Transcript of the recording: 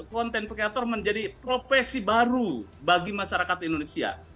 conten creator menjadi profesi baru bagi masyarakat indonesia